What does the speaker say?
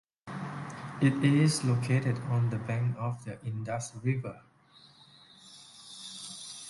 It is located on the bank of the Indus River.